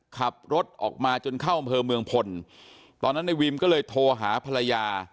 ขับรถออกมาจนเข้าอำเภอเมืองพลตอนนั้นในวิมก็เลยโทรหาภรรยา